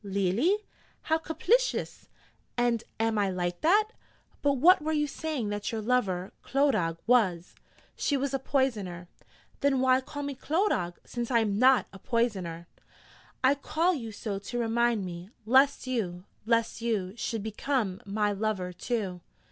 'Leally? How caplicious! And am I like that? but what were you saying that your lover, Clodagh, was?' 'She was a Poisoner.' 'Then why call me Clodagh, since I am not a poisoner?' 'I call you so to remind me: lest you lest you should become my lover, too.'